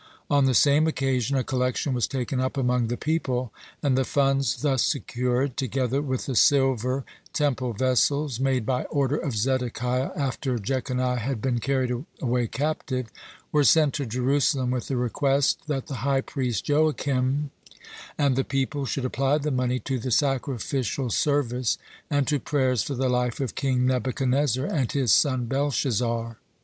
On the same occasion a collection was taken up among the people, and the funds thus secured, together with the silver Temple vessels made by order of Zedekiah after Jeconiah had been carried away captive, were sent to Jerusalem, with the request that the high priest Joakim and the people should apply the money to the sacrificial service and to prayers for the life of King Nebuchadnezzar and his son Belshazzar.